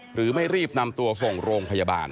หรือไม่รีบนำตัวส่งโรงพยาบาล